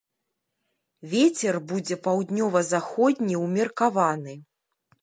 Вецер будзе паўднёва-заходні ўмеркаваны.